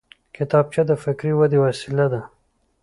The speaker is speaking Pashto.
کتابچه د فکري ودې وسیله ده